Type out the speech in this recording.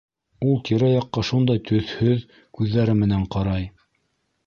Ул тирә-яҡҡа шундай төҫһөҙ күҙҙәре менән ҡарай.